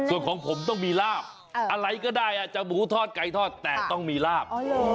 ส่วนของผมต้องมีลาบอะไรก็ได้อาจจะหมูทอดไก่ทอดแต่ต้องมีลาบ